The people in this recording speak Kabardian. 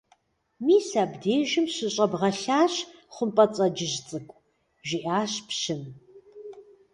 Мис абдежым щыщӀэбгъэлъащ, ХъумпӀэцӀэджыжь цӀыкӀу! – жиӀащ пщым.